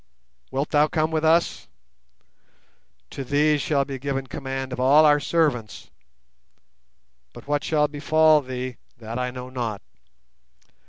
Wilt thou come with us? To thee shall be given command of all our servants; but what shall befall thee, that I know not.